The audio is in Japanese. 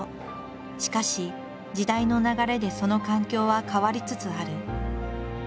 しかし時代の流れでその環境は変わりつつある。